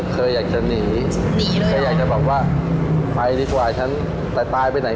เคยอยากหยุดและเลิกแล้วไหม